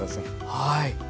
はい。